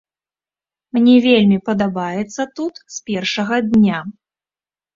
Мне вельмі падабаецца тут з першага дня.